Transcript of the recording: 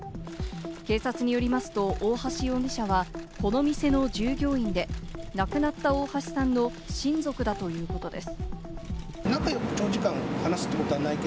警察によりますと、大橋容疑者はこの店の従業員で、亡くなった大橋さんの親族だということです。